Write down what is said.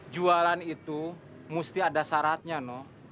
jualan itu mesti ada syaratnya no